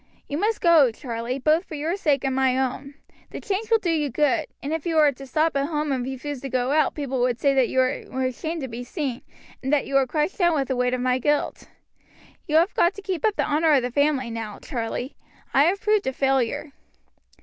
"You must go, Charlie, both for your sake and my own. The change will do you good; and if you were to stop at home and refuse to go out people would say that you were ashamed to be seen, and that you were crushed down with the weight of my guilt. You have got to keep up the honor of the family now, Charlie; I have proved a failure."